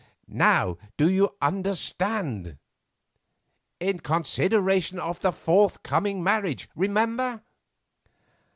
Now do you understand? 'In consideration of the forthcoming marriage,' remember."